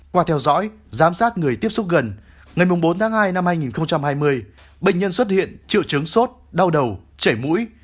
qua theo dõi giám sát người tiếp xúc gần ngày bốn tháng hai năm hai nghìn hai mươi bệnh nhân xuất hiện triệu chứng sốt đau đầu chảy mũi